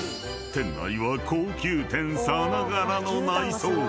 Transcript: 店内は高級店さながらの内装］